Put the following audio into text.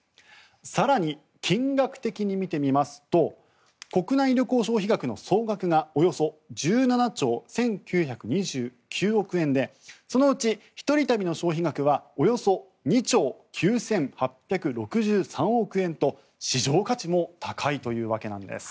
更に、金額的に見てみますと国内旅行消費額の総額がおよそ１７兆１９２９億円でそのうち一人旅の消費額はおよそ２兆９８６３億円と市場価値も高いというわけなんです。